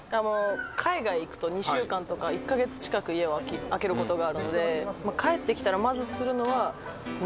海外行くと２週間とか１カ月近く家を空けることがあるので帰ってきたらまずするのは。